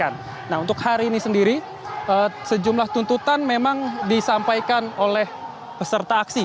nah untuk hari ini sendiri sejumlah tuntutan memang disampaikan oleh peserta aksi